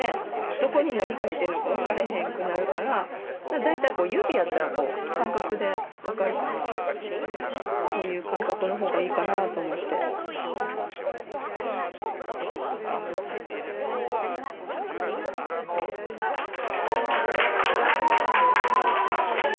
どこに何かいてんのか分からへんくなるから大体指やったらこう感覚で分かるからそういう感覚のほうがいいかなーと思って・わーかわいいー！